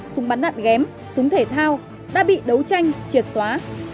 súng bắn đạn ghém súng thể thao đã bị đấu tranh triệt xóa